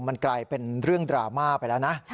มันกลายเป็นเรื่องดราม่าไปแล้วนะ